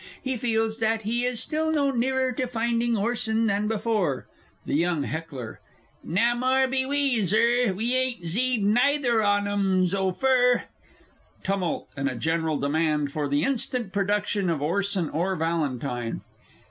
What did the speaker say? He feels that he is still no nearer to finding Orson than before. (THE YOUNG HECKLER. "Naw moor be we, Zur. We ain't zeed nayther on 'em zo fur!" _Tumult, and a general demand for the instant production of Orson or Valentine.